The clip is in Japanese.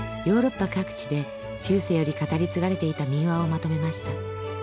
ヨーロッパ各地で中世より語り継がれていた民話をまとめました。